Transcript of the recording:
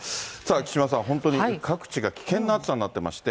木島さん、本当に各地が危険な暑さになってまして。